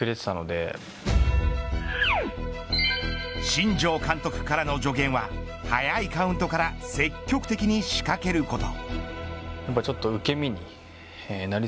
新庄監督からの助言は早いカウントから積極的に仕掛けること。